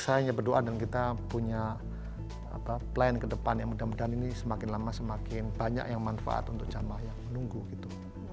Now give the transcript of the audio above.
saya hanya berdoa dan kita punya plan ke depan yang mudah mudahan ini semakin lama semakin banyak yang manfaat untuk jamaah yang menunggu gitu